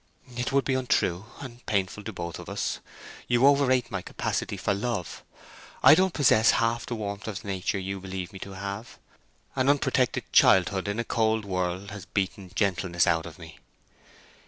"It would be untrue, and painful to both of us. You overrate my capacity for love. I don't possess half the warmth of nature you believe me to have. An unprotected childhood in a cold world has beaten gentleness out of me."